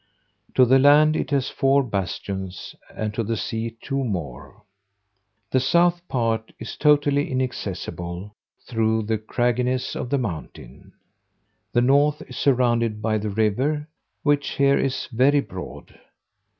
To the land it has four bastions, and to the sea two more. The south part is totally inaccessible, through the cragginess of the mountain. The north is surrounded by the river, which here is very broad.